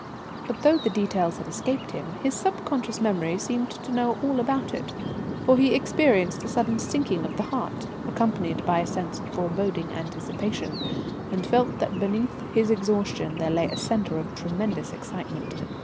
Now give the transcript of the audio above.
But though the details had escaped him, his subconscious memory seemed to know all about it, for he experienced a sudden sinking of the heart, accompanied by a sense of foreboding anticipation, and felt that beneath his exhaustion there lay a centre of tremendous excitement.